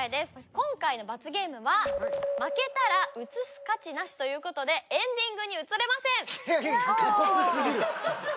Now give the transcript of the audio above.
今回の罰ゲームは負けたら映す価値なしということでエンディングに映れません。